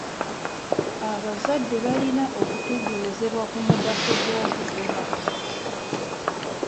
Abazadde balina okutegeezebwa ku mugaso gw'okugema.